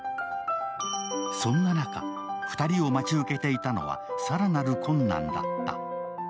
そんな中、２人を待ち受けていたのは更なる困難だった。